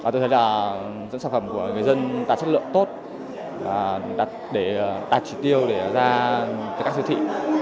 tôi thấy sản phẩm của người dân đạt chất lượng tốt đạt trị tiêu để ra các siêu thị